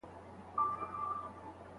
آیا شخصي موټر تر بس ګړندی دی؟